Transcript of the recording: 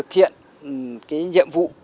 cái nhiệm vụ